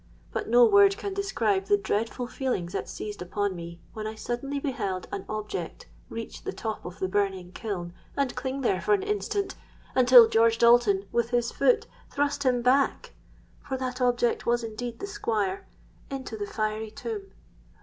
But no words can describe the dreadful feelings that seized upon me, when I suddenly beheld an object reach the top of the burning kiln, and cling there for an instant, until George Dalton with his foot thrust him back—for that object was indeed the Squire—into the fiery tomb!